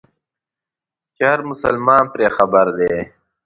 چې هر مسلمان پرې خبر دی.